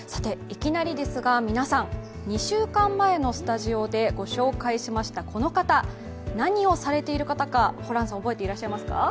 いきなりですが、皆さん２週間前のスタジオでご紹介しましたこの方、何をされている方かホランさん、覚えてますか？